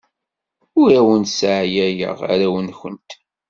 Ur awent-sseɛyayeɣ arraw-nwent.